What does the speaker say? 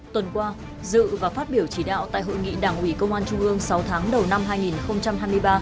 tuần qua dự và phát biểu chỉ đạo tại hội nghị đảng ủy công an trung ương sáu tháng đầu năm hai nghìn hai mươi ba